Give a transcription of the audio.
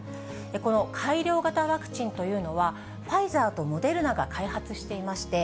この改良型ワクチンというのは、ファイザーとモデルナが開発していまして、